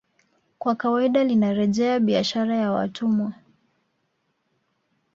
Kwa kawaida linarejea biashara ya watumwa